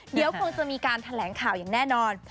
เดี๋ยวคงจะมีการแถลงข่าวอย่างแน่นอน